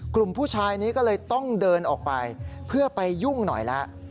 กลุ่มผู้ชายนี้ก็เลยต้องเดินออกไปเพื่อไปยุ่งหน่อยแล้ว